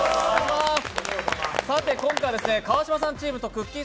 今回、川島さんチームとくっきー！